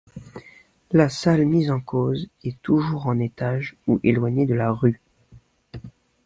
La salle mise en cause est toujours en étage ou éloignée de la rue.